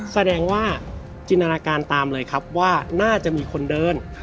แสดงว่าจินตนาการตามเลยครับว่าน่าจะมีคนเดิน